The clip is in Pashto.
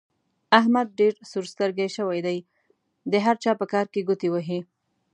احمد ډېر سور سترګی شوی دی؛ د هر چا په کار کې ګوتې وهي.